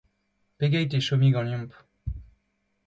Pegeit e chomi ganeomp ?